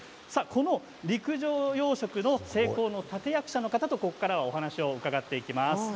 この陸上養殖の成功の立て役者の方にここからお話を伺っていきます。